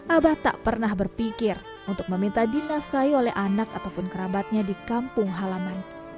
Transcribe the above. abah tak pernah berpikir untuk meminta dinafkahi oleh anak ataupun kerabatnya di kampung halaman